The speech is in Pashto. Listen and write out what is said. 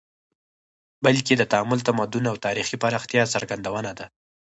بلکې د تعامل، تمدن او تاریخي پراختیا څرګندونه ده